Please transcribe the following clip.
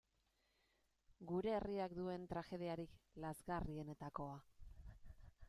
Gure herriak duen tragediarik lazgarrienetakoa.